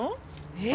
えっ？